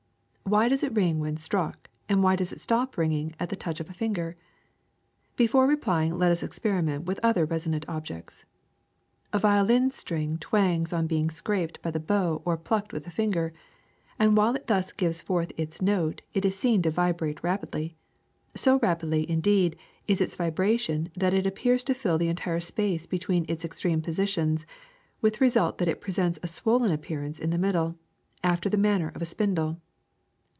Why does it ring when struck, and why does it stop ringing at the touch of a finger? Be fore replying let us experiment with other resonant objects. *^A violin string twangs on being scraped by the bow or plucked with the finger, and while it thus gives forth its note it is seen to vibrate rapidly. So rapid, indeed, is its vibration that it appears to fill the entire space between its extreme positions, with the result that it presents a swollen appearance in the middle, after the manner of a spindle.